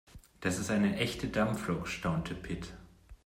Das ist eine echte Dampflok, staunte Pit.